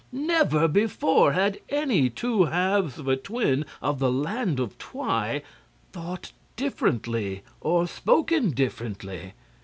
Never before had any two halves of a twin of the Land of Twi thought differently or spoken differently.